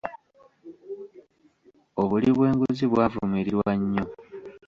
Obuli bw'enguzi bwavumirirwa nnyo.